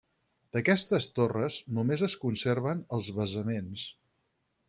D'aquestes torres només es conserven els basaments.